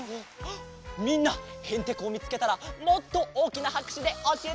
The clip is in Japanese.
みんなヘンテコをみつけたらもっとおおきなはくしゅでおしえてね！